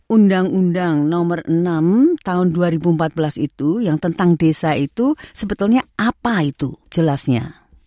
undang undang nomor enam tahun dua ribu empat belas itu yang tentang desa itu sebetulnya apa itu jelasnya